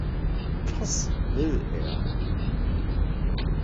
Was will er?